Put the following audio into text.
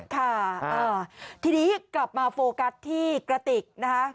ค่ะทีนี้กลับมาโฟกัสที่กระติกนะคะ